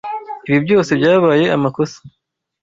Ibi byose byabaye amakosa.